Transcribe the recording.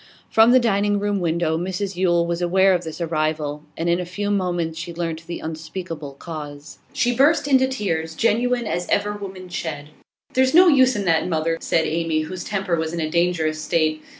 From the dining room window Mrs Yule was aware of this arrival, and in a few moments she learnt the unspeakable cause. She burst into tears, genuine as ever woman shed. 'There's no use in that, mother,' said Amy, whose temper was in a dangerous state.